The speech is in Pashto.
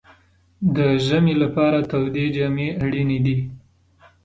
د ژمي لپاره تودې جامې اړینې دي.